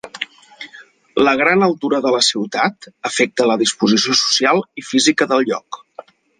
La gran altura de la ciutat afecta la disposició social i física del lloc.